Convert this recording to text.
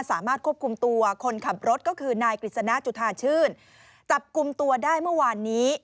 สามารถควบคุมตัวคนขับรถก็คือนายกฤษณะจุธาชื่นจับกลุ่มตัวได้เมื่อวานนี้